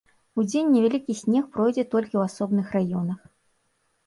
Удзень невялікі снег пройдзе толькі ў асобных раёнах.